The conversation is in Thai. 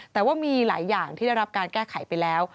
แต่ว่ามีหลายอย่างที่ได้รับการแก้ไขไปแล้ว